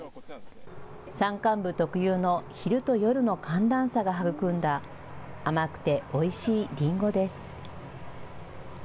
山間部特有の昼と夜の寒暖差が育んだ甘くておいしいりんごです。